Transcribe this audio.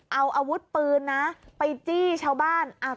เอาอาวุธปืนนะไปจี้ชาวบ้าน